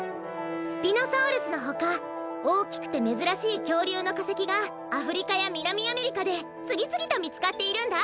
スピノサウルスのほかおおきくてめずらしいきょうりゅうのかせきがアフリカやみなみアメリカでつぎつぎとみつかっているんだ！